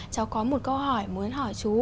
cháu có một câu hỏi muốn hỏi chú